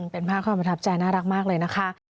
เป็นภาพความประทับใจน่ารักมากเลยนะคะ